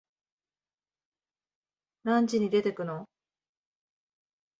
何時に出てくの？